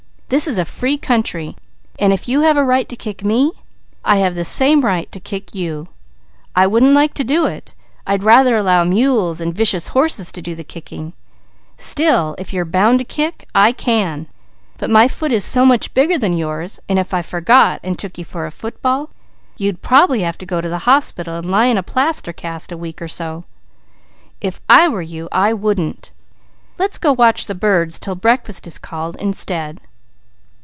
This is a free country, and if you have a right to kick me, I have the same right to kick you. I wouldn't like to do it. I'd rather allow mules and vicious horses to do the kicking; still if you're bound to kick, I can; but my foot is so much bigger than yours, and if I forgot and took you for a football, you'd probably have to go to the hospital and lie in a plaster cast a week or so. If I were you, I wouldn't! Let's go watch the birds till breakfast is called, instead."